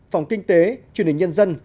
phòng kinh tế truyền hình nhân dân